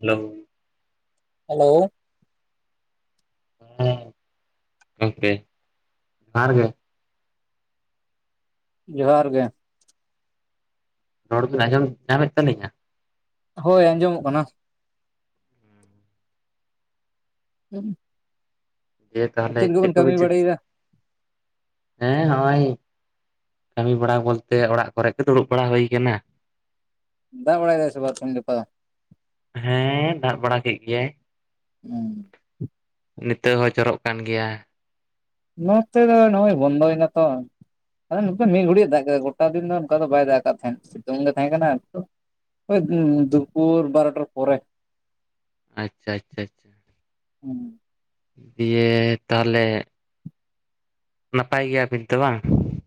Hello hello ᱜᱚᱢᱠᱮ ᱥᱟᱨᱜᱮ᱾ ᱡᱩᱦᱟᱨ ᱜᱮ᱾ ᱨᱚᱲ ᱵᱤᱱ ᱟᱸᱡᱚᱢ ᱧᱟᱢᱮᱫ ᱛᱟᱹᱞᱤᱧᱟ᱾ ᱦᱳᱭ ᱟᱸᱡᱚᱢᱚᱜ ᱠᱟᱱᱟ, ᱦᱮᱸ ᱫᱤᱭᱮ ᱛᱟᱦᱚᱞᱮ ᱪᱮᱫ ᱠᱟᱹᱢᱤ ᱠᱚᱵᱤᱱ ᱪᱤᱠᱟ᱾ ᱵᱟᱲᱟᱭᱮᱫᱟ ᱦᱮᱸ ᱦᱚᱜᱚᱭ ᱠᱟᱹᱢᱤ ᱵᱟᱲᱟ ᱵᱚᱞᱛᱮ ᱚᱲᱟᱜ ᱠᱚᱨᱮ ᱜᱮ ᱫᱩᱲᱩᱵ ᱵᱟᱲᱟ ᱦᱩᱭ ᱠᱟᱱᱟ᱾ ᱫᱟᱜ ᱵᱟᱲᱟᱭ ᱫᱟ ᱥᱮ ᱵᱟᱝ ᱛᱤᱦᱤᱧ ᱜᱟᱯᱟ ᱫᱚ᱾ ᱦᱮᱸ ᱫᱟᱜ ᱵᱟᱲᱟ ᱠᱮ ᱜᱮᱭᱟᱭ᱾ ᱦᱩᱸᱼ ᱱᱤᱛᱚᱜ ᱦᱚᱸ ᱡᱚᱨᱚᱜ ᱠᱟᱱ ᱜᱤᱭᱟ᱾ ᱱᱚᱛᱮ ᱫᱚ ᱱᱚᱜᱼᱚᱭ ᱵᱚᱱᱫᱚ ᱱᱟ ᱛᱚ ᱟᱫᱚ ᱱᱚᱛᱮ ᱢᱤᱫ ᱜᱷᱩᱲᱤᱡ ᱫᱟᱜ ᱠᱮᱛᱟ ᱜᱚᱴᱼᱼ ᱜᱚᱴᱟ ᱫᱤᱱ ᱫᱚ ᱱᱚᱱᱠᱟ ᱫᱚ ᱵᱟᱭ ᱫᱟᱜ ᱠᱟᱜ ᱛᱟᱦᱮᱸᱫ ᱥᱤᱛᱩᱝ ᱜᱮ ᱛᱟᱦᱮᱸ ᱠᱟᱱᱟ ᱱᱤᱛᱚᱜᱼᱼᱼ ᱦᱚᱭ ᱫᱩᱯᱚᱨ ᱵᱟᱨᱚᱴᱟᱨ ᱯᱚᱨᱮ᱾ ᱟᱪᱪᱷᱟ ᱟᱪᱪᱷᱟ ᱟᱪᱪᱷᱟ ᱦᱩᱸ ᱻ ᱤᱭᱟᱹ ᱛᱟᱦᱚᱞᱮᱼᱼᱼ ᱱᱟᱯᱟᱭ ᱜᱤᱭᱟ ᱵᱤᱱ ᱛᱟᱹ ᱵᱟᱝ᱾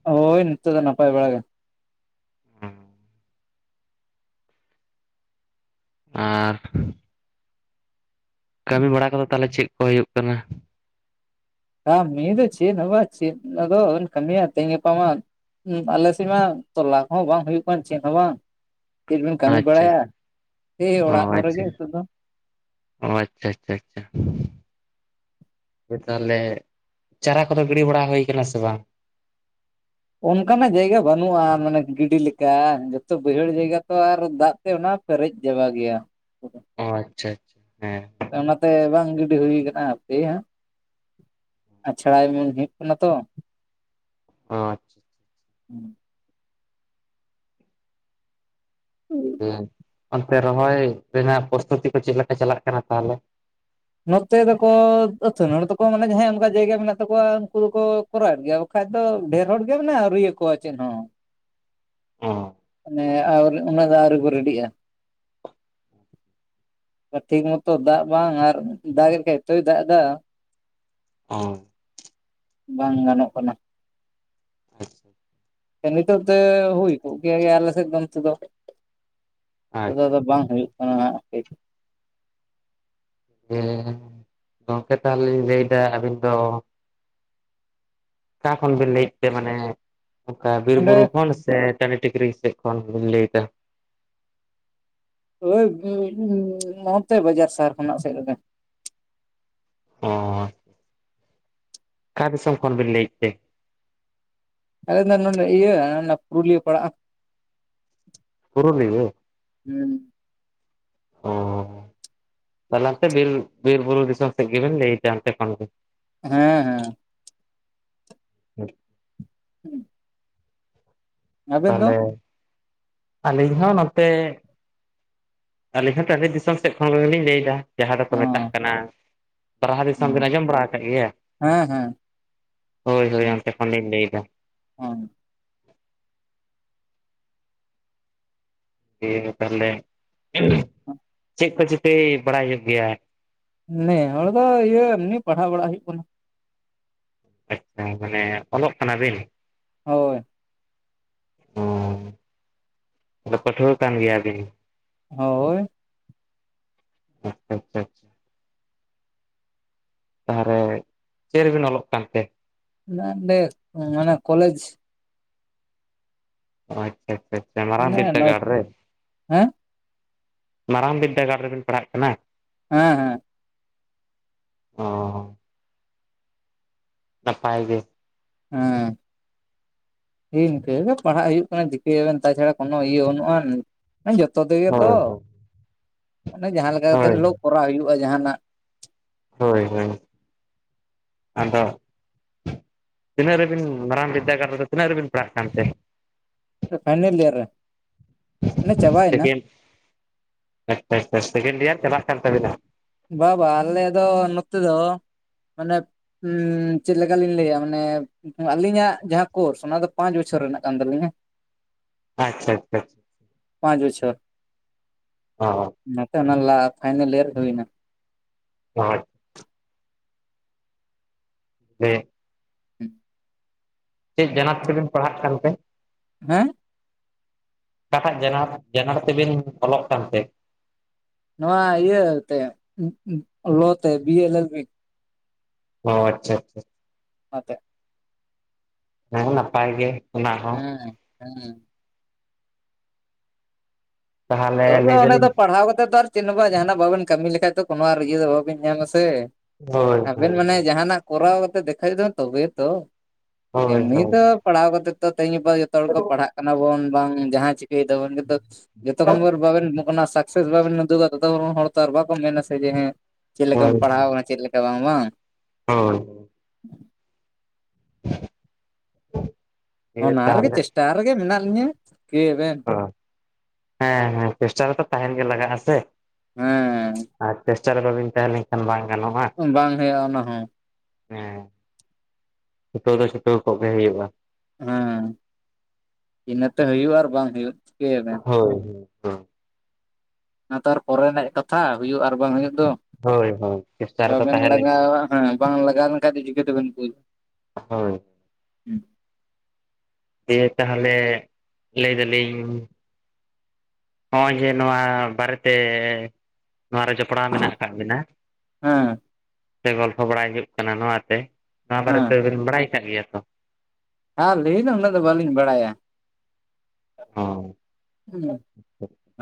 ᱦᱚᱭ ᱱᱤᱛᱚ ᱫᱚ ᱱᱟᱯᱟᱭ ᱵᱟᱲᱟ ᱜᱮ᱾ ᱟᱨ ᱠᱟᱹᱢᱤ ᱵᱟᱲᱟ ᱠᱚᱫᱚ ᱛᱟᱦᱚᱞᱮ ᱪᱮᱫ ᱠᱩ ᱦᱩᱭᱩᱜ ᱠᱟᱱᱟ᱾ ᱠᱟ ᱢᱤ ᱫᱚ ᱪᱮᱫ ᱦᱚ ᱵᱟᱝ ᱪᱮᱫ ᱟᱫᱚ ᱠᱟᱹᱢᱤᱭᱤᱭᱟ ᱛᱤᱦᱤᱧ ᱜᱟᱯᱟ ᱢᱟ᱾ ᱟᱞᱮᱥᱮᱫ ᱢᱟ ᱛᱚᱞᱟ ᱠᱚᱸ ᱦᱚᱸ ᱵᱟᱝ ᱦᱩᱭᱩᱜ ᱠᱟᱱ ᱪᱮᱫ ᱦᱚᱸ ᱵᱟᱝ᱾ ᱪᱮᱫ ᱵᱮᱱ ᱠᱟᱹᱢᱤ ᱟᱪᱪᱷᱟ ᱵᱟᱲᱟᱭᱟ ᱟᱪᱪᱷᱟ ᱥᱮᱭ ᱚ ᱚᱲᱟᱜ ᱠᱚᱨᱮ ᱜᱮ ᱟᱪᱪᱷᱟ ᱱᱤᱛᱚᱜ ᱫᱚ᱾ ᱚ ᱟᱪᱪᱷᱟ, ᱟᱪᱪᱷᱟ, ᱟᱪᱪᱷᱟ ᱦᱳᱭ ᱛᱟᱦᱚᱞᱮ ᱪᱟᱨᱟ ᱠᱚᱫᱚ ᱜᱤᱰᱤ ᱵᱟᱲᱟ ᱦᱩᱭ ᱠᱟᱱᱟ ᱥᱮ ᱵᱟᱝ? ᱚᱱᱠᱟᱱᱼᱟᱜ ᱡᱟᱭᱜᱟ ᱵᱟᱹᱱᱩᱜᱼᱟ ᱢᱟᱱᱮ ᱜᱤᱰᱤ ᱞᱮᱠᱟ ᱡᱚᱛᱚ ᱵᱟᱹᱭᱦᱟᱹᱲ ᱡᱟᱭᱜᱟ ᱛᱚ ᱟᱨ ᱫᱟᱜᱼᱼᱼ ᱫᱟᱜ ᱛᱮ ᱚᱱᱟ ᱯᱮᱨᱮᱡ ᱪᱟᱵᱟ ᱜᱮᱭᱟ᱾ ᱚ ᱪᱪᱷᱟ ᱟᱪᱪᱷᱟ ᱦᱮᱸ ᱚᱱᱟᱛᱮ ᱵᱟᱝ ᱜᱤᱰᱤ ᱦᱩᱭᱩ ᱟᱠᱟᱱᱟ ᱦᱟᱯᱮ ᱦᱟᱜ᱾ ᱟᱪᱷᱟᱲᱟᱭ ᱢᱮᱱ ᱦᱩᱭᱩᱜ ᱠᱟᱱᱟ ᱛᱚ᱾ ᱚ ᱤᱪᱪᱷᱟ [inaudible] ᱦᱩᱸ ᱼᱼ ᱚᱱᱛᱮ ᱨᱚᱦᱚᱭ ᱨᱮᱱᱟᱜ ᱯᱨᱚᱥᱛᱩᱛᱤ ᱠᱚ ᱪᱮᱫ ᱞᱮᱠᱟ ᱪᱟᱞᱟᱜ ᱠᱟᱱᱟ ᱛᱟᱦᱚᱞᱮ᱾ ᱱᱚᱛᱮ ᱫᱚᱠᱚ ᱟᱹᱛᱷᱟᱹᱱᱤ ᱦᱚᱲ ᱫᱚᱠᱚ ᱢᱟᱱᱮ ᱡᱟᱦᱟᱸᱭ ᱚᱱᱠᱟ ᱡᱟᱭᱜᱟ ᱢᱮᱱᱟᱜ ᱛᱟᱠᱩᱣᱟ ᱩᱱᱠᱩ ᱫᱩᱠᱚ᱾ ᱠᱚᱨᱟᱣᱮᱫ ᱜᱮᱭᱟ ᱵᱟᱠᱷᱟᱡ ᱫᱚ ᱰᱷᱮᱨ ᱦᱚᱲ ᱜᱮ ᱢᱟᱱᱮ ᱟᱶᱨᱤ ᱟᱠᱚᱣᱟ ᱪᱮᱫ ᱦᱚᱸᱼᱼ ᱚ ᱮᱸ ᱟᱨ ᱩᱱᱟᱹ ᱫᱚ ᱟᱣᱨᱤ ᱠᱚ ᱨᱮᱰᱤᱜᱼᱟ ᱾ ᱴᱷᱤᱠ ᱢᱚᱛᱚ ᱫᱟᱜ ᱵᱟᱝ ᱟᱨ ᱫᱟᱜ ᱮᱫ ᱠᱷᱟᱱᱮ ᱮᱛᱚᱭ ᱫᱟᱜ ᱫᱟ᱾ ᱚ ᱵᱟᱝ ᱜᱟᱱᱚᱜ ᱠᱟᱱᱟ᱾ ᱟᱪᱪᱷᱟ ᱾ ᱱᱤᱛᱚᱜ ᱛᱮ ᱦᱩᱭ ᱠᱚᱜ ᱠᱮ ᱜᱮᱭᱟ ᱟᱞᱮ ᱥᱮᱫ ᱫᱚ ᱱᱤᱛᱮ ᱫᱚ᱾ ᱱᱤᱛᱚᱜ ᱫᱚ ᱟᱪᱪᱷᱟ ᱟᱫᱚ ᱵᱟᱝ ᱦᱩᱭᱩᱜ ᱠᱟᱱᱟ᱾ ᱡᱮ ᱜᱚᱝᱠᱮ ᱛᱟᱦᱚᱞᱮ ᱞᱤᱧ ᱞᱟᱹᱭᱫᱟ ᱟᱹᱵᱤᱱ ᱫᱚ ᱚᱠᱟ ᱠᱷᱚᱱ ᱵᱤᱱ ᱞᱟᱹᱭᱮᱫ ᱛᱮ ᱢᱟᱱᱮ ᱚᱱᱠᱟ ᱵᱤᱨ ᱚᱸᱰᱮ ᱵᱩᱨᱩ ᱠᱷᱚᱱ ᱥᱮ ᱠᱟᱹᱢᱤ ᱴᱤᱠᱨᱤ ᱥᱮᱫ ᱠᱷᱚᱱ ᱵᱤᱱ ᱞᱟᱹᱭ ᱫᱟ᱾ ᱳᱭ ᱱᱚᱛᱮ ᱵᱟᱡᱟᱨ ᱥᱟᱦᱟᱨ ᱠᱷᱚᱱᱟᱜ ᱥᱮᱫ ᱨᱮᱜᱮ᱾ ᱚ ᱠᱷᱟ ᱫᱤᱥᱚᱢ ᱠᱷᱚᱱ ᱵᱤᱱ ᱞᱟᱹᱭᱮᱜ ᱛᱮ? ᱟᱞᱮ ᱱᱚᱰᱮ ᱤᱭᱟᱹ ᱯᱩᱨᱩᱞᱤᱭᱟᱹ ᱯᱟᱲᱟᱜᱼᱟ᱾ ᱯᱩᱨᱩᱞᱤᱭᱟᱹ? ᱚ [unintelligible] ᱛᱟᱦᱚᱞᱮ [unintelligible] ᱵᱤᱨ ᱵᱤᱨ ᱵᱩᱨᱩ ᱫᱤᱥᱚᱢ ᱥᱮᱜ ᱜᱮ ᱵᱮᱱ ᱞᱟᱹᱭᱫᱟ ᱚᱱᱛᱮ ᱠᱷᱚᱱ ᱜᱮ ᱾ ᱦᱮᱸ ᱦᱮᱸ᱾ [inaudible] ᱟᱵᱮᱱ ᱫᱚ ᱛᱟᱦᱚᱞᱮ ᱟᱹᱞᱤᱧ ᱦᱚ ᱱᱚᱛᱮ ᱟᱹᱞᱤᱧ ᱦᱚᱸ ᱴᱟᱹᱰᱤ ᱫᱤᱥᱚᱢ ᱥᱮᱫ ᱠᱷᱚᱱᱜᱮᱞᱤᱧ ᱞᱟᱹᱭᱫᱟ ᱡᱟᱦᱟᱸ ᱫᱚᱠᱚ ᱢᱮᱛᱟᱜ ᱦᱮᱸ ᱠᱟᱱᱟ ᱯᱟᱨᱦᱟ ᱫᱤᱥᱚᱢ ᱦᱮᱸ ᱵᱮᱱ ᱟᱸᱡᱚᱢ ᱵᱟᱲᱟ ᱠᱟᱜ ᱜᱮᱭᱟ᱾ ᱦᱮᱸ ᱦᱮᱸ ᱦᱳᱭ ᱦᱳᱭ ᱚᱱᱛᱮ ᱠᱷᱚᱱᱤᱧ ᱞᱟᱹᱭᱫᱟ᱾ ᱚ ᱛᱟᱦᱚᱞᱮ [unintelligible] ᱪᱮᱫ ᱠᱚ ᱪᱤᱠᱟᱹᱭ ᱵᱟᱲᱟᱭ ᱦᱩᱭᱩᱜ ᱜᱮᱭᱟ? ᱱᱮᱸ ᱦᱚᱲᱰᱮ ᱫᱚ ᱤᱭᱟᱹ ᱮᱢᱱᱤ ᱯᱟᱲᱦᱟᱣ ᱵᱟᱲᱟ ᱦᱩᱭᱩᱜ ᱠᱟᱱᱟ᱾ ᱟᱪᱪᱷᱟ ᱢᱟᱱᱮ ᱚᱞᱚᱜ ᱠᱟᱱᱟᱵᱤᱱ? ᱦᱳᱭ᱾ ᱚ ᱟ ᱯᱟᱴᱷᱩᱭᱟᱹ ᱠᱟᱱ ᱜᱮᱭᱟ ᱵᱤᱱ? ᱦᱳᱭ ᱟᱪᱪᱷᱟ ᱟᱪᱪᱷᱟ ᱟᱪᱪᱷᱟ ᱛᱟᱦᱚᱨᱮ ᱪᱮᱫ ᱨᱮᱵᱤᱱ ᱚᱞᱚᱜ ᱠᱟᱱᱛᱮ? ᱚᱱᱟᱰᱮ ᱢᱟᱱᱮ ᱠᱚᱞᱮᱡᱽ ᱚ ᱟᱪᱪᱷᱟ ᱟᱪᱪᱷᱟ ᱟᱪᱪᱷᱟ ᱢᱟᱨᱟᱝ ᱢᱟᱱᱮ ᱵᱤᱨᱫᱟᱹ ᱱᱚᱭ ᱜᱟᱲ ᱨᱮ? ᱦᱮᱸ ᱢᱟᱨᱟᱝ ᱵᱤᱫᱽᱫᱟᱹᱜᱟᱲ ᱨᱮᱵᱤᱱ ᱯᱟᱲᱦᱟᱜ ᱠᱟᱱᱟ? ᱦᱮ ᱦᱮ ᱚ ᱱᱟᱯᱟᱭ ᱜᱮ᱾ ᱦᱮᱸ ᱦᱮᱸ ᱤᱱᱠᱟᱹ ᱜᱮ ᱯᱟᱲᱦᱟᱜ ᱦᱩᱭᱩᱜ ᱠᱟᱱᱟ ᱪᱤᱠᱟᱹᱭᱟᱵᱮᱱ ᱛᱟᱪᱷᱟᱲᱟ ᱠᱳᱱᱳ ᱤᱭᱟᱹ ᱵᱟᱹᱱᱩᱜ ᱟᱱ᱾ ᱡᱚᱛᱚ ᱛᱮᱜᱮ ᱛᱚ ᱦᱳᱭ ᱢᱟᱱᱮ ᱡᱟᱦᱟᱸ ᱞᱮᱠᱟ ᱠᱟᱛᱮᱜ ᱦᱳᱭ ᱦᱤᱞᱚᱜ ᱠᱚᱨᱟᱣ ᱦᱩᱭᱩᱜᱼᱟ ᱡᱟᱦᱟᱱᱟᱜ ᱾ ᱦᱳᱭ ᱦᱳᱭ ᱟᱫᱚ ᱛᱤᱱᱟᱹᱜ ᱨᱮᱵᱤᱱ ᱢᱟᱨᱟᱝ ᱵᱤᱫᱽᱫᱟᱹᱜᱟᱲ ᱨᱮᱫᱚ ᱛᱤᱱᱟᱹᱜ ᱨᱮᱵᱤᱱ ᱯᱟᱲᱦᱟᱜ ᱠᱟᱱᱛᱮ? ᱯᱷᱟᱭᱱᱮᱞ ᱤᱭᱟᱨ ᱨᱮ ᱾ ᱥᱮᱠᱮᱱ, ᱥᱮᱠᱮᱱ ᱰᱮᱭᱟᱨ ᱪᱞᱟᱟᱜ ᱛᱟᱵᱤᱱᱟ? ᱵᱟ, ᱵᱟ, ᱟᱞᱮ ᱫᱚ ᱱᱚᱛᱮ ᱫᱚ ᱢᱟᱱᱮ ᱩᱸ ᱪᱮᱫ ᱞᱮᱠᱟᱞᱤᱧ ᱞᱟᱹᱭᱟ ᱢᱟᱱᱮ ᱟᱹᱞᱤᱧᱟᱜ ᱡᱟᱦᱟᱸ ᱠᱳᱨᱥ ᱚᱱᱟ ᱫᱚ ᱯᱟᱸᱪ ᱵᱚᱪᱷᱚᱨ ᱨᱮᱱᱟᱜ ᱠᱟᱱ ᱛᱟᱞᱤᱧᱟ᱾ ᱟᱪᱪᱷᱟ, ᱟᱪᱪᱷᱟ᱾ ᱯᱟᱸᱪ ᱵᱚᱪᱷᱚᱨ᱾ ᱚᱻ ᱚᱱᱟᱛᱮ ᱚᱱᱟ ᱞᱟ ᱯᱷᱟᱭᱱᱮᱞ ᱤᱭᱟᱨ ᱦᱩᱭᱱᱟ᱾ [unintelligible] [unintelligible] [unintelligible] ᱪᱮᱫ ᱡᱟᱱᱟᱛ ᱛᱮᱵᱤᱱ ᱯᱟᱲᱦᱟᱜ ᱠᱟᱱᱛᱮ? [unintelligible] ᱚᱠᱟᱴᱟᱜ ᱡᱮᱱᱟᱨ- ᱡᱮᱱᱟᱨ ᱛᱮᱵᱤᱱ ᱚᱞᱚᱜ ᱠᱟᱱᱛᱮ? ᱱᱚᱣᱟ ᱤᱭᱟᱹ ᱛᱮ ᱞᱚ ᱛᱮ ᱵᱤᱭᱮ ᱞᱮᱞ ᱵᱤ᱾ ᱚ, ᱟᱪᱪᱷᱟ, ᱟᱪᱪᱷᱟ᱾ [unintelligible] ᱦᱮ ᱱᱟᱯᱟᱭ ᱜᱮ᱾ ᱚᱱᱟ ᱦᱚᱸ ᱦᱮᱸ, ᱦᱮᱸ᱾ ᱛᱟᱦᱚᱞᱮ ᱛᱚᱵᱮ ᱞᱟᱹᱭ ᱚᱱᱮ ᱫᱚ ᱫᱟᱞᱤᱧ ᱯᱟᱲᱦᱟᱣ ᱠᱟᱛᱮ ᱟᱨ ᱪᱮᱫ ᱦᱚ ᱵᱟ ᱡᱟᱦᱟᱱᱟᱜ ᱵᱟᱵᱮᱱ ᱠᱟᱹᱢᱤ ᱞᱮᱠᱷᱟᱡ ᱠᱳᱱᱳ ᱟᱨ ᱤᱭᱟᱹ ᱫᱚ ᱵᱟᱵᱤᱱ ᱧᱟᱢ ᱟᱥᱮ᱾ ᱦᱳᱭ ᱟᱵᱮᱱ ᱦᱳᱭ ᱢᱟᱱᱮ ᱡᱟᱦᱟᱱᱟᱜ ᱠᱚᱨᱟᱣ ᱠᱟᱛᱮ ᱫᱮᱠᱷᱟᱭ [unintelligible] ᱫᱚ ᱛᱚᱵᱮ ᱛᱚ, ᱦᱳᱭ ᱮᱢᱱᱤ ᱫᱚ ᱯᱟᱲᱦᱟᱣ ᱠᱟᱛᱮ ᱛᱮᱦᱤᱧ ᱜᱟᱯᱟ ᱫᱚ ᱡᱚᱛᱚ ᱦᱚᱲ ᱠᱚ ᱯᱟᱲᱦᱟᱜ ᱠᱟᱱᱟ ᱵᱚᱱ ᱵᱟᱝ ᱡᱟᱦᱟᱸ ᱪᱤᱠᱟᱹᱭ ᱫᱟᱵᱚᱱ ᱠᱤᱱᱛᱩ ᱦᱳᱭ ᱛᱚᱠᱷᱚᱱ ᱵᱷᱳᱨ ᱵᱟᱵᱮᱱ ᱥᱟᱠᱥᱮᱥ ᱵᱟᱵᱮᱱ ᱩᱫᱩᱜᱟ ᱛᱚ ᱦᱚᱲ ᱛᱚ ᱟᱨ ᱵᱟᱠᱚ ᱢᱮᱱᱟ ᱥᱮ ᱦᱮᱸ ᱪᱮᱫ ᱞᱮᱠᱟᱢ ᱦᱳᱭ ᱯᱟᱲᱦᱟᱣ ᱟᱠᱟᱱᱟ ᱪᱮᱫ ᱞᱮᱠᱟ ᱵᱟᱝ ᱵᱟᱝ? ᱦᱳᱭ᱾ [unintelligible] ᱚᱱᱟ ᱨᱮᱜᱮ ᱛᱟᱦᱚᱞᱮ ᱪᱮᱥᱴᱟ ᱨᱮᱜᱮ ᱢᱮᱱᱟᱜ ᱞᱤᱧᱟᱹ᱾ ᱠᱮ ᱵᱮᱱ ᱚ ᱦᱮᱸ ᱦᱮᱸ, ᱪᱮᱥᱴᱟ ᱨᱮᱛᱚ ᱛᱟᱦᱮᱱ ᱜᱮ ᱞᱟᱜᱟᱜ ᱟ ᱥᱮ᱾ ᱦᱮᱸ ᱟᱨ ᱪᱮᱥᱴᱟ ᱨᱮ ᱵᱟᱹᱵᱤᱱ ᱛᱟᱦᱮᱸ ᱞᱮᱱᱠᱷᱟᱱ ᱵᱟᱝ ᱜᱟᱱᱚᱜᱼᱟ᱾ ᱵᱟᱝ ᱦᱩᱭᱩᱜᱼᱟ ᱚᱱᱟ ᱦᱚᱸ ᱦᱮᱸ ᱪᱷᱩᱴᱟᱹᱣ ᱫᱚ ᱪᱷᱩᱴᱟᱹᱣ ᱠᱚᱜ-ᱜᱮ ᱦᱩᱭᱩᱜᱼᱟ᱾ ᱦᱮᱸ ᱤᱱᱟᱹᱛᱮ ᱦᱩᱭᱩᱜ ᱟᱨ ᱵᱟᱝ ᱦᱩᱭᱩᱜ ᱪᱤᱠᱟᱹᱭᱟ ᱵᱮᱱ᱾ ᱦᱳᱭ᱾ ᱦᱳᱭ ᱚᱱᱟ ᱛᱟᱨ ᱯᱚᱨᱮᱱᱟᱜ ᱠᱟᱛᱷᱟ ᱦᱩᱭᱩᱜ ᱟᱨ ᱵᱟᱝ ᱦᱩᱭᱩᱜ ᱫᱚ᱾ ᱦᱳᱭ ᱦᱳᱭ ᱪᱮᱥᱴᱟ ᱨᱮᱛᱚ ᱵᱟᱵᱮᱱ ᱛᱟᱦᱮᱸ ᱞᱮᱱᱠᱷᱟᱱ ᱞᱟᱜᱟᱣᱟ, ᱦᱮᱸ ᱵᱟᱝ ᱞᱟᱜᱟᱣ ᱞᱮᱱᱠᱷᱟᱱ ᱫᱚ ᱪᱤᱠᱟᱹ ᱫᱚᱵᱮᱱ ᱵᱩᱡ ᱦᱳᱭ᱾ [unintelligible] ᱫᱤᱭᱮ ᱛᱟᱦᱚᱞᱮ ᱞᱟᱹᱭ ᱫᱟᱞᱤᱧ ᱦᱚᱸᱜᱼᱚᱭ ᱡᱮ ᱱᱚᱣᱟ ᱵᱟᱨᱮ ᱛᱮ ᱱᱚᱣᱟᱨᱮ ᱢᱮᱱᱟᱜ ᱟᱠᱟᱫ ᱵᱤᱱᱟ, ᱥᱮ ᱜᱚᱞᱯᱷᱚ ᱵᱟᱲᱟᱭ ᱠᱟᱱᱟ ᱱᱚᱣᱟ ᱛᱮ᱾ ᱱᱚᱣᱟ ᱵᱟᱨᱮ ᱦᱮᱸ ᱛᱮᱵᱮᱱ ᱵᱟᱲᱟᱭ ᱟᱠᱟᱫ ᱜᱮᱭᱟ ᱛᱚ? ᱟᱞᱤᱧ ᱫᱚ ᱩᱱᱟᱹᱜ ᱫᱚ ᱵᱟᱹᱞᱤᱧ ᱵᱟᱲᱟᱭᱟ᱾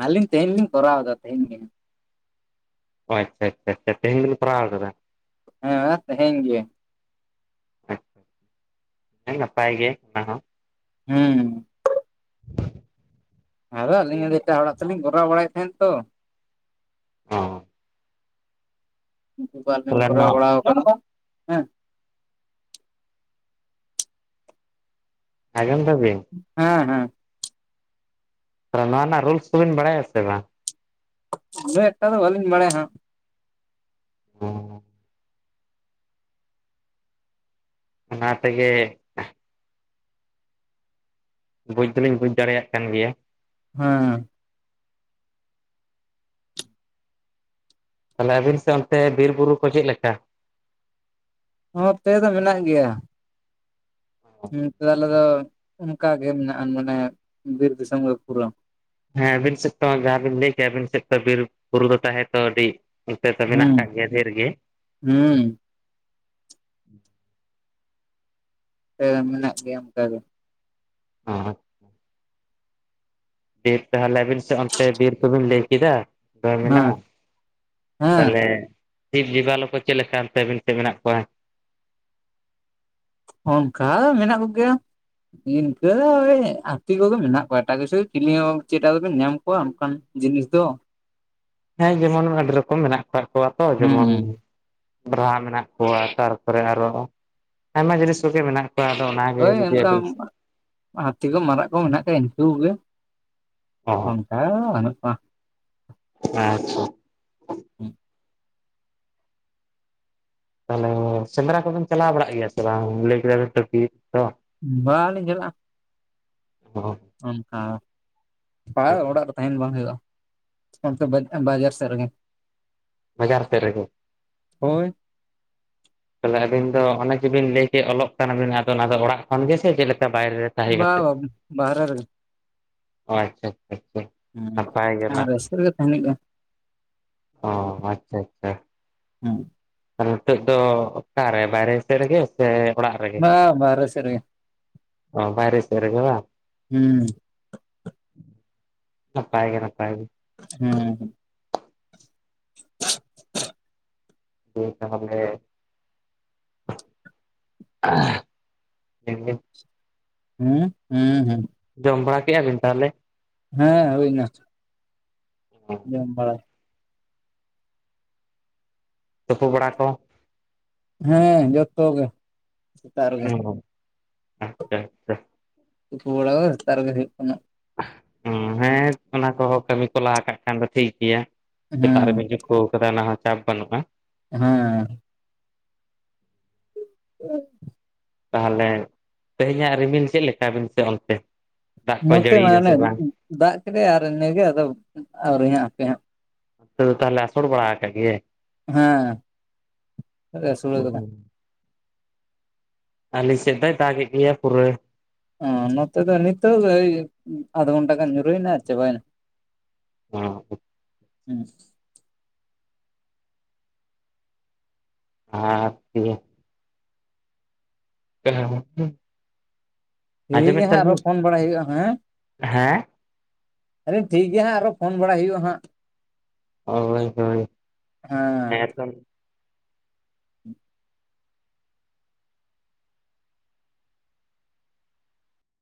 ᱟᱹᱞᱤᱧ ᱛᱮᱦᱮᱧ ᱞᱤᱧ ᱠᱚᱨᱟᱣᱫᱟ ᱛᱮᱦᱤᱧ ᱜᱮ᱾ ᱦᱳᱭ ᱟᱪᱪᱷᱟ ᱟᱪᱷᱟ ᱟᱪᱷᱟ ᱛᱮᱦᱮᱧ ᱫᱚᱤᱱ ᱠᱟᱲᱟᱣ ᱠᱟᱫᱟ? ᱦᱮᱸ ᱛᱮᱦᱮᱧ ᱜᱮ᱾ ᱟᱪ ᱦᱮᱸ ᱱᱟᱯᱟᱭ ᱜᱮ ᱚᱱᱟ ᱦᱚᱸ᱾ ᱦᱩᱸ ᱟᱫᱚ ᱟᱹᱞᱤᱧ ᱮᱴᱟᱜ ᱦᱚᱲᱟᱜ ᱛᱮᱞᱤᱧ ᱠᱚᱨᱟᱣ ᱵᱟᱲᱟᱭᱮᱫ ᱛᱟᱦᱮᱸᱱ ᱛᱚ ᱦᱚ ᱩᱱᱠᱩ ᱵᱟᱨ ᱫᱤᱱ ᱛᱟᱦᱚᱞᱮ ᱱᱚᱣᱟ ᱠᱚᱨᱟᱣᱵᱟᱲᱟ ᱠᱟᱱᱟ᱾ ᱟᱡᱚᱢ ᱫᱟᱵᱤᱱ? ᱦᱮᱸ ᱦᱮᱸ᱾ ᱨᱟᱱᱟ ᱨᱮᱱᱟᱜ ᱨᱩᱞᱥ ᱠᱚᱵᱤᱱ ᱵᱟᱲᱟᱭᱟ ᱥᱮ ᱵᱟᱝ? ᱩᱱᱟᱹᱜ ᱮᱠᱴᱟ ᱫᱚ ᱵᱟᱹᱞᱤᱧ ᱵᱟᱲᱟᱭᱟ ᱦᱟᱸᱜ ᱾ ᱦᱚ ᱚᱱᱟ ᱛᱮᱜᱮ ᱵᱩᱡᱽ ᱫᱚᱞᱤᱧ ᱵᱩᱡᱽ ᱫᱟᱲᱮᱭᱟᱜ ᱠᱟᱱ ᱜᱮᱭᱟ᱾ ᱦᱚᱸᱻ ᱛᱟᱦᱚᱞᱮ ᱟᱵᱤᱱ ᱥᱮᱫ ᱚᱱᱛᱮ ᱵᱤᱨ ᱵᱩᱨᱩ ᱠᱚ ᱪᱮᱫ ᱞᱮᱠᱟ? ᱦᱚᱸ ᱱᱚᱛᱮ ᱫᱚ ᱢᱮᱱᱟᱜ ᱜᱮᱭᱟ᱾ ᱦᱩᱸ ᱱᱚᱛᱮ ᱫᱚ ᱟᱞᱮ ᱫᱚ ᱚᱱᱠᱟ ᱜᱮ ᱢᱮᱱᱟᱜᱼᱟ, ᱢᱟᱱᱮ ᱵᱤᱨ ᱫᱤᱥᱚᱢ ᱜᱮ ᱯᱩᱨᱟ᱾ ᱦᱮᱸ ᱟᱵᱤᱱ ᱥᱮᱫ ᱛᱚ ᱡᱟᱦᱟᱸ ᱵᱤᱱ ᱞᱟᱹᱭ ᱠᱮᱜᱼᱟ ᱟᱵᱤᱱ ᱥᱮᱫ ᱛᱚ ᱵᱤᱨ ᱵᱩᱨᱩ ᱫᱚ ᱛᱟᱦᱮᱸ ᱛᱚ ᱟᱹᱰᱤ ᱚᱱᱛᱮ ᱫᱚ ᱢᱮᱱᱟᱜ ᱠᱟᱜ ᱜᱮᱭᱟ ᱰᱷᱮᱨ ᱜᱮ᱾ ᱦᱩᱸ᱾ ᱟᱯᱮᱫᱚ ᱢᱮᱱᱟᱜ ᱯᱮᱭᱟ ᱚᱱᱠᱟ ᱜᱮ? ᱦᱚᱭ ᱵᱤᱨ ᱛᱟᱦᱚᱞᱮ ᱟᱵᱤᱱ ᱥᱮᱫ ᱚᱱᱛᱮ ᱵᱤᱨ ᱠᱚᱵᱤᱱ ᱞᱟᱹᱭ ᱠᱮᱫᱟ᱾ ᱫᱚ ᱦᱮᱸ ᱢᱮᱱᱟᱜᱼᱟ ᱦᱮᱸ ᱛᱟᱦᱚᱞᱮ ᱡᱤᱵ ᱡᱤᱵᱟᱞᱳ ᱠᱚ ᱪᱮᱫ ᱞᱮᱠᱟ ᱚᱱᱛᱮ ᱟᱹᱵᱤᱱ ᱥᱮᱫ ᱢᱮᱱᱟᱜ ᱠᱚᱣᱟ? ᱦᱚᱸ ᱚᱱᱠᱟ ᱫᱚ ᱢᱮᱱᱟᱜ ᱠᱚᱜᱮᱭᱟ᱾ ᱤᱱᱠᱟᱹ ᱫᱚ ᱳᱭ ᱟᱛᱤ ᱠᱚᱜᱮ ᱢᱮᱱᱟᱜ ᱠᱚᱣᱟ ᱮᱴᱟᱜ ᱠᱤᱪᱷᱩ ᱪᱤᱞᱤ ᱦᱚᱸ ᱪᱮᱫᱟᱜ ᱠᱚᱵᱮᱱ ᱧᱟᱢ ᱠᱚᱣᱟ ᱟ ᱚᱱᱠᱟᱱ ᱡᱤᱱᱤᱥ ᱫᱚ᱾ ᱦᱮᱸ ᱡᱮᱢᱚᱱ ᱟᱹᱰᱤ ᱨᱚᱠᱚᱢ ᱢᱮᱱᱟᱜ ᱠᱟᱜ ᱠᱚᱣᱟ ᱛᱚ ᱡᱮᱢᱚᱱ ᱦᱮᱸ ᱵᱨᱟᱦᱟ ᱢᱮᱱᱟᱜ ᱠᱚᱣᱟ ᱛᱟᱨᱯᱚᱨᱮ ᱟᱨᱚ ᱟᱭᱢᱟ ᱡᱤᱱᱤᱥ ᱠᱚᱜᱮ ᱢᱮᱱᱟᱜ ᱵᱟᱝ ᱟᱫᱚ ᱚᱱᱟ ᱦᱳᱭ ᱚᱱᱠᱟ ᱦᱟᱹᱛᱤ ᱠᱚ ᱢᱟᱨᱟᱜ ᱠᱚ ᱢᱮᱱᱟᱜ ᱠᱚᱭᱟ ᱤᱱᱠᱩ ᱜᱮ᱾ ᱦᱚᱸ ᱦᱮᱸ ᱵᱟᱱᱩᱜ ᱠᱚᱣᱟ᱾ ᱟᱪᱪᱷᱟ᱾ [inaudible] ᱛᱟᱦᱞᱮ ᱥᱮᱸᱫᱽᱨᱟ ᱠᱚᱫᱚᱢ ᱪᱟᱞᱟᱣ ᱵᱟᱲᱟᱜ ᱜᱮᱭᱟ ᱥᱮ ᱵᱟᱝ? ᱞᱟᱹᱭ ᱠᱮᱫᱟ ᱵᱮᱱ ᱛᱚ ᱵᱤᱨ ᱫᱚ ᱵᱟᱝᱞᱤᱧ ᱪᱟᱞᱟᱜᱼᱟ᱾ ᱚ ᱚᱱᱠᱟ ᱯᱟᱨ ᱚᱲᱟᱜ ᱨᱮ ᱛᱟᱦᱮᱱ ᱵᱟᱝ ᱦᱩᱭᱩᱜᱼᱟ᱾ ᱚᱱᱛᱮ ᱵᱟᱡ ᱵᱟᱡᱟᱨ ᱥᱮᱫ ᱨᱮᱜᱮ᱾ ᱵᱟᱡᱟᱨ ᱥᱮᱫ ᱨᱮ ᱜᱮ, ᱦᱳᱭ᱾ ᱛᱟᱦᱚᱞᱮ ᱟᱹᱵᱤᱱ ᱫᱚ ᱚᱱᱮ ᱡᱮ ᱵᱤᱱ ᱞᱟᱹᱭ ᱠᱮᱫ ᱚᱞᱚᱜ ᱠᱟᱱᱟᱵᱤᱱ, ᱟᱫᱚ ᱚᱱᱟ ᱫᱚ ᱚᱲᱟᱜ ᱠᱷᱚᱱ ᱜᱮ ᱥᱮ ᱪᱮᱫ ᱞᱮᱠᱟ ᱵᱟᱭᱨᱮ ᱛᱟᱦᱮᱸ ᱵᱟ ᱠᱟᱛᱮᱫ? ᱵᱟ ᱵᱟᱦᱨᱮ ᱨᱮᱜᱮ᱾ ᱚ ᱟᱪᱪᱷᱟ ᱟᱪᱪᱷᱟ᱾ ᱱᱟᱯᱟᱭ ᱜᱮ ᱦᱮᱸ ᱟᱨ ᱚᱱᱟ ᱨᱟᱹᱥᱠᱟᱹ ᱨᱮᱜᱮ ᱛᱟᱦᱮᱱ ᱦᱩᱭᱩᱜ-ᱟ᱾ ᱚ ᱟᱪᱪᱷᱟ ᱟᱪᱪᱷᱟ᱾ ᱟᱨ ᱱᱤᱛᱚᱜ ᱫᱚ ᱚᱠᱟᱨᱮ ᱵᱟᱭᱨᱮ ᱥᱮᱜ ᱨᱮᱜᱮ? ᱥᱮ ᱚᱲᱟᱜ ᱨᱮᱜᱮ, ᱵᱟ ᱵᱟᱦᱨᱮ ᱥᱮᱫ ᱨᱮᱜᱮ ᱚ ᱵᱟᱭᱨᱮ ᱥᱮᱫ ᱨᱮᱜᱮ ᱵᱟᱝ? ᱦᱩᱸ᱾ ᱱᱟᱯᱟᱭ ᱜᱮ ᱱᱟᱯᱟᱭ ᱜᱮ᱾ ᱦᱩᱸ ᱾ [unintelligible] ᱫᱤᱱ ᱠᱟᱞᱚᱢ ᱜᱮ [unintelligible] [unintelligible] ᱦᱩᱸ, ᱦᱩᱸ ᱦᱩᱸ᱾ ᱡᱚᱢ ᱵᱟᱲᱟ ᱠᱮᱜ-ᱟ ᱵᱤᱱ ᱛᱟᱦᱚᱞᱮ? ᱦᱮᱸ, ᱦᱩᱭᱱᱟ᱾ ᱡᱚᱢ ᱵᱟᱲᱟ᱾ ᱛᱳᱯᱳ ᱵᱟᱲᱟ ᱠᱚ᱾ ᱦᱮᱸ, ᱡᱚᱛᱛᱚ ᱜᱮ ᱥᱮᱛᱟᱜ ᱨᱮ ᱜᱮ᱾ ᱟᱪᱪᱷᱟ ᱟᱪᱪᱷᱟ ᱛᱩᱯᱩ ᱵᱟᱲᱟ ᱠᱚᱫᱚ ᱥᱮᱛᱟᱜ ᱨᱮᱜᱮ ᱦᱩᱭᱩᱜ ᱠᱟᱱᱟ᱾ ᱦᱩᱸ, ᱦᱮᱸ ᱚᱱᱟ ᱠᱚᱦᱚᱸ ᱠᱟᱹᱢᱤ ᱠᱚ ᱞᱟᱦᱟ ᱠᱟᱜ ᱠᱷᱟᱱ ᱫᱚ ᱴᱷᱤᱠ ᱜᱮᱭᱟ, ᱥᱮᱛᱟᱜ ᱦᱮᱸ ᱨᱮᱵ [unintelligible] ᱠᱟᱹᱣ ᱠᱟᱫᱟ ᱚᱱᱟ ᱦᱚᱸ ᱪᱟᱯ ᱵᱟᱱᱩᱜ-ᱟ᱾ ᱦᱮᱸ᱾ [unintelligible] ᱛᱟᱦᱚᱞᱮ ᱛᱮᱦᱮᱧᱟᱜ ᱨᱤᱢᱤᱞ ᱪᱮᱱ ᱞᱮᱠᱟ ᱟᱵᱤᱱ ᱥᱮᱱ ᱚᱱᱛᱮ? ᱫᱟᱜ ᱠᱚᱭ ᱱᱚᱛᱮ ᱢᱟ ᱡᱟᱹᱲᱤᱭᱮᱫᱟ ᱚᱱᱮ ᱥᱮ ᱵᱟᱝ ᱫᱟᱜ ᱠᱮᱫᱮ ᱟᱨ ᱤᱱᱟᱹᱜᱮ ᱟᱫᱚ ᱟᱹᱣᱨᱤ ᱦᱟᱸ ᱟᱯᱮ ᱦᱟᱸᱜ᱾ ᱟ ᱛᱟᱦᱚᱞᱮ ᱟᱥᱳᱲ ᱵᱟᱲᱟ ᱠᱟᱜ ᱜᱮᱭᱟᱭ? ᱦᱮᱸ, ᱟᱥᱳᱲ ᱠᱟᱫᱟᱭ᱾ ᱟᱞᱤᱧ ᱥᱮᱫ ᱫᱚᱭ ᱫᱟᱜ ᱮᱫ ᱜᱮᱭᱟ ᱯᱩᱨᱟᱹ᱾ ᱚ ᱱᱚᱛᱮ ᱫᱚ ᱱᱤᱛᱚᱜ ᱫᱚ ᱳᱭ ᱟᱫᱷ ᱜᱷᱚᱱᱴᱟ ᱜᱟᱱ ᱧᱩᱨᱦᱩᱭᱮᱱᱟ ᱟᱨ ᱪᱟᱵᱟᱭᱮᱱᱟ᱾ ᱚ᱾ ᱦᱮᱸ᱾ ᱟᱨ ᱤᱭᱟᱹ [unintelligible] ᱴᱷᱤᱠ ᱟᱸᱡᱚᱢᱮᱫ ᱜᱮᱭᱟ ᱦᱟᱸᱜ ᱟᱨᱚ ᱛᱟᱞᱤᱧ ᱯᱷᱳᱱ ᱵᱟᱲᱟᱭ ᱦᱩᱭᱩᱜᱼᱟ, ᱦᱮᱸ? ᱦᱮᱸ [unintelligible] ᱴᱷᱤᱠ ᱜᱮᱭᱟ ᱟᱨᱚ ᱯᱷᱳᱱ ᱵᱟᱲᱟᱭ ᱦᱩᱭᱩᱜᱼᱟ ᱦᱟᱸᱜ᱾ ᱦᱳᱭ ᱦᱳᱭ, ᱦᱮᱸ ᱛᱚ᱾